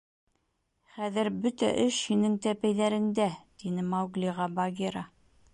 — Хәҙер бөтә эш һинең тәпәйҙәреңдә, — тине Мауглиға Багира.